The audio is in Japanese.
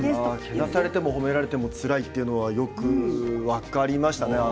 けなされても褒められてもつらいというフレーズは分かりましたね。